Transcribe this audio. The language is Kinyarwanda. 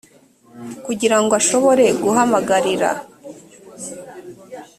kugira ngo ashobore guhamagarira